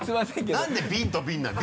何でビンとビンなのよ。